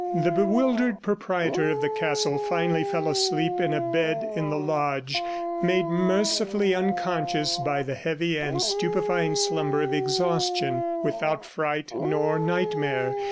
The bewildered proprietor of the castle finally fell asleep in a bed in the lodge, made mercifully unconscious by the heavy and stupefying slumber of exhaustion, without fright nor nightmare.